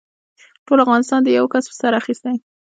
ټول افغانستان دې يوه کس په سر اخيستی.